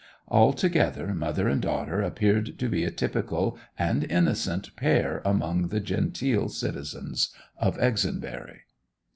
Altogether mother and daughter appeared to be a typical and innocent pair among the genteel citizens of Exonbury.